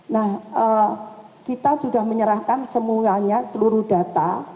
nah kita sudah menyerahkan semuanya seluruh data